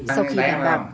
sau khi đảm bảo